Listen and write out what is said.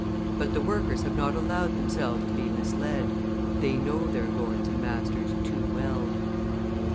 But the workers have not allowed themselves to be misled. They know their lords and masters too well.